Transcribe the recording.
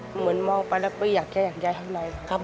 เหมือนมองไปแล้วไม่อยากแยกทำอะไรครับ